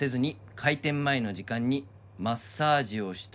「開店前の時間にマッサージをしたり」